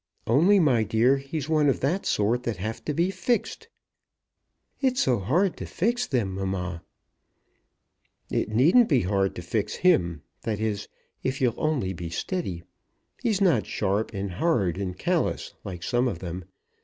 "Only, my dear, he's one of that sort that have to be fixed." "It's so hard to fix them, mamma." "It needn't be hard to fix him, that is, if you'll only be steady. He's not sharp and hard and callous, like some of them.